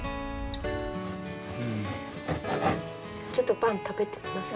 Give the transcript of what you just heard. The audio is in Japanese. ちょっとパン食べて下さい。